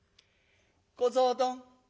「小僧どん。